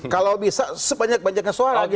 kalau bisa sebanyak banyaknya suara